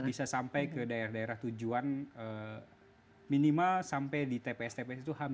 bisa sampai ke daerah daerah tujuan minimal sampai di tps tps itu hampir